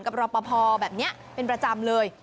รอปภแบบนี้เป็นประจำเลย